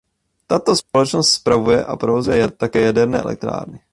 Tato společnost spravuje a provozuje také jaderné elektrárny.